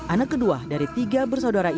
anak kedua dari tiga bersaudara ini